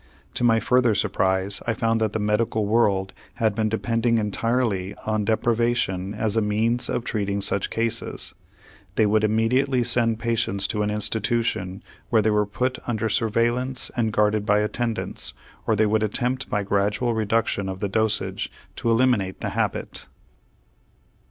To my further surprise, I found that the medical world had been depending entirely on deprivation as a means of treating such cases. They would immediately send patients to an institution where they were put under surveillance and guarded by attendants, or they would attempt by gradual reduction of the dosage to eliminate the habit.